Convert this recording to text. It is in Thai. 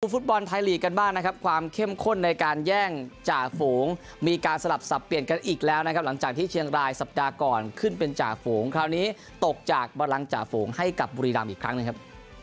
ฟุตบอลไทยลีกกันบ้างนะครับความเข้มข้นในการแย่งจ่าฝูงมีการสลับสับเปลี่ยนกันอีกแล้วนะครับหลังจากที่เชียงรายสัปดาห์ก่อนขึ้นเป็นจ่าฝูงคราวนี้ตกจากบรังจ่าฝูงให้กับบุรีรำอีกครั้งหนึ่งครับ